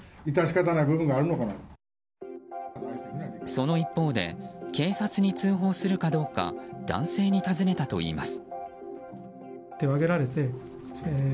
その一方で警察に通報するかどうか男性に尋ねたといいます。